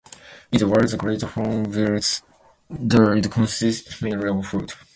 In the wild, the great hornbill's diet consists mainly of fruit.